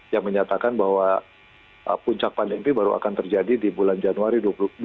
yang menyatakan bahwa puncak pandemi baru akan terjadi di bulan januari dua ribu dua puluh